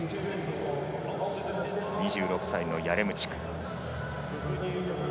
２６歳のヤレムチュク。